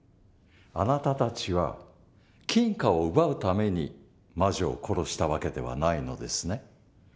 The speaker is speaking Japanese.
あなたたちは金貨を奪うために魔女を殺した訳ではないのですね？